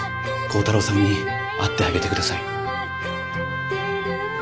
耕太郎さんに会ってあげて下さい。